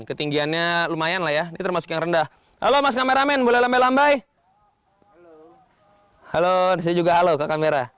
ketinggiannya lumayan lah ya nih termasuk yang rendah seribu sembilan ratus delapan puluh empat lambai halo halo haloacity juga halo kak